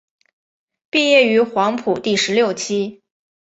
毕业于黄埔第十六期。